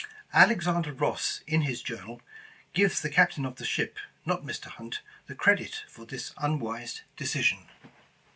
Alexander Ross, in his journal, gives the Captain of the ship, not Mr. Hunt, the credit for this unwise decision.